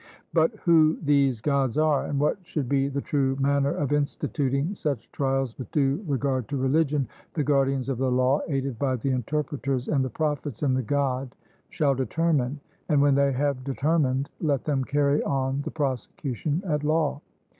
But who these Gods are, and what should be the true manner of instituting such trials with due regard to religion, the guardians of the law, aided by the interpreters, and the prophets, and the God, shall determine, and when they have determined let them carry on the prosecution at law.